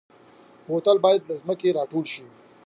بوتل باید له ځمکې راټول شي.